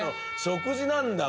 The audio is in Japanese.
食事なんだ